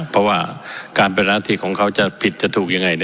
เพราะว่าการไผร่ระทิบของเขาจะผิดจะถูกอย่างไร